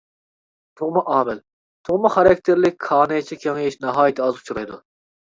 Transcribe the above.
تۇغما ئامىل: تۇغما خاراكتېرلىك كانايچە كېڭىيىش ناھايىتى ئاز ئۇچرايدۇ.